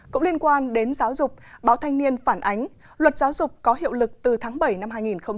cũng liên quan đến giáo dục báo thanh niên phản ánh luật giáo dục có hiệu lực từ tháng bảy năm hai nghìn một mươi chín